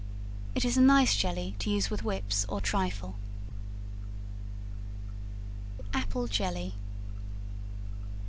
It is a nice jelly to use with whips or trifle. Apple Jelly.